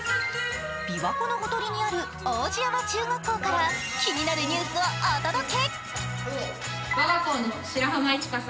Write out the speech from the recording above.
琵琶湖のほとりにある皇子山中学校から気になるニュースをお届け。